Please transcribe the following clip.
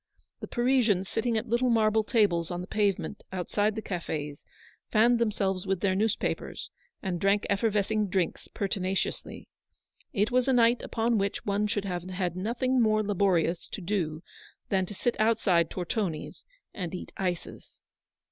The Parisians sitting at little marble tables on the pavement outside the cafes fanned themselves with their newspapers, and drank effervescing drinks pertinaciously. It was a night upon which one should have had nothing more laborious to do than to sit outside Tortoni's and eat ices.